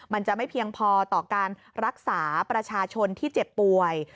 มันจะไม่เพียงพอต่อการรักษาประชาชนที่เจ็บป่วย